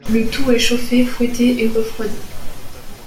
Le tout est chauffé, fouetté et refroidi.